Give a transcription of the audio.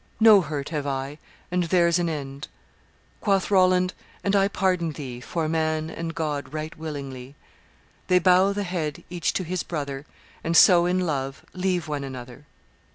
No hurt have I; and there's an end.' Quoth Roland, 'And I pardon thee 'Fore man and God right willingly.' They bow the head, each to his brother, And so, in love, leave one another."